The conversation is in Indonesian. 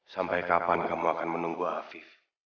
sampai kapan kamu akan menunggu afif